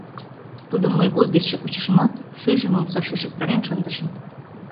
Тудым мый вуй гычше кучышымат, шӱйжым омсаш ишыктарен шындышым.